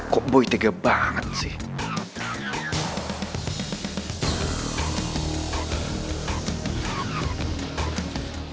kok boy tiga banget sih